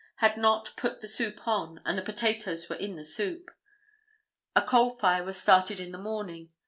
Had not put the soup on, and the potatoes were in the soup. A coal fire was started in the morning.